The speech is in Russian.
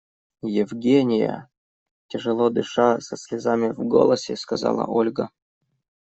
– Евгения! – тяжело дыша, со слезами в голосе сказала Ольга.